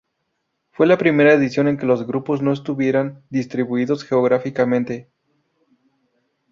Fue la primera edición en que los grupos no estuvieran distribuidos geográficamente.